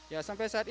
ya sampai saat ini